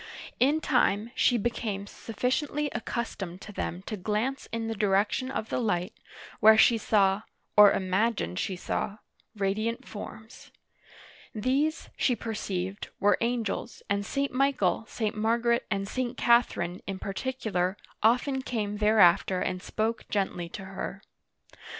In time, she became suffi ciently accustomed to them to glance in the direction of the uigitizea oy vjiOOQlC CHARLES VII. (1422 1461) 187 light, where she saw — or imagined she saw — radiant forms. These, she perceived, were angels, and St. Michael, St. Margaret, and St. Catherine, in particular, often came thereafter and spoke gently to her.